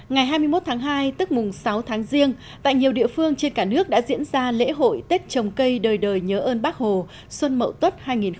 ngày hai mươi một tháng hai tức mùng sáu tháng riêng tại nhiều địa phương trên cả nước đã diễn ra lễ hội tết trồng cây đời đời nhớ ơn bác hồ xuân mậu tuất hai nghìn hai mươi